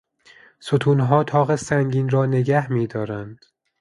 ستونها طاق سنگین را نگهمیدارند.